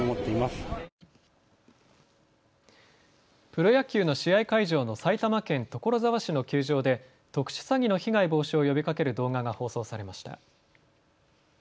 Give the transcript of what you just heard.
プロ野球の試合会場の埼玉県所沢市の球場で特殊詐欺の被害防止を呼びかける動画が放送されました。